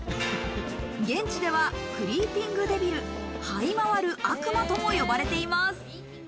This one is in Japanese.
現地では、クリーピングデビル、「這い回る悪魔」とも呼ばれています。